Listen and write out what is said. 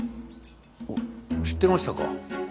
おっ知ってましたか。